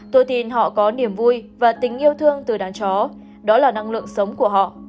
tôi tin họ có niềm vui và tình yêu thương từ đàn chó đó là năng lượng sống của họ